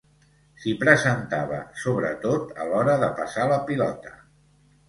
S'hi presentava, sobretot a l'hora de passar la pilota.